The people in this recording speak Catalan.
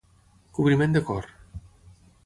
Cobriment de cor.